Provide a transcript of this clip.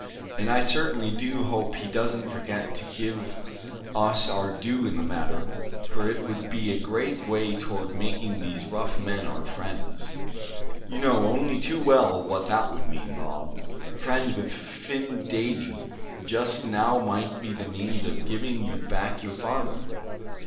And I certainly do hope he doesn't forget to give us our due in the matter, for it would go a great way toward making these rough men our friends. You know only too well what that would mean, Bob. Friends with Phin Dady just now might be the means of giving you back your father."